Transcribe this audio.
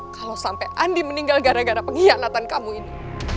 kalo sampe andi meninggal gara gara pengkhianatan kamu ini